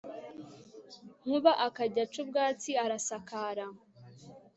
Nkuba akajya aca ubwatsi arasakara